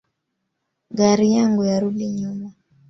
Gari yangu yarudi nyuma